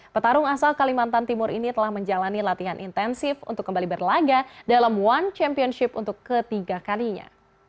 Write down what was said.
petarung asal kalimantan timur ini telah menjalani latihan intensif untuk kembali berlaga dalam one championship untuk ketiga kalinya